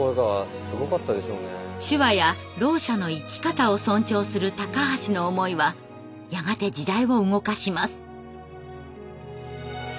手話やろう者の生き方を尊重する高橋の思いはやがて時代を動かします。